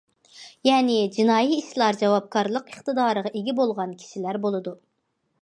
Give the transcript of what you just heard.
يەنى جىنايى ئىشلار جاۋابكارلىق ئىقتىدارىغا ئىگە بولغان كىشىلەر بولىدۇ.